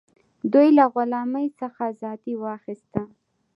دوی له غلامۍ څخه ازادي واخیسته.